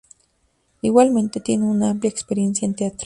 Igualmente, tiene una amplia experiencia en teatro.